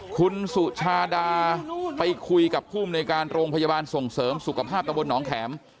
คุณสุชาดาไปคุยกับภูมิในการโรงพยาบาลส่งเสริมสุขภาพตะบนหนองแข็ม